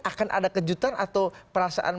akan ada kejutan atau perasaan